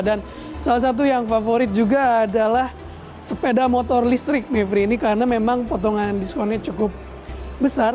dan salah satu yang favorit juga adalah sepeda motor listrik mevri ini karena memang potongan diskonnya cukup besar